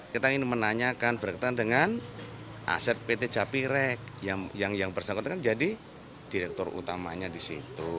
kita ingin menanyakan berkaitan dengan aset pt japirex yang bersangkutan jadi direktur utamanya disitu